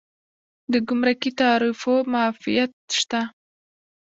د ګمرکي تعرفو معافیت شته؟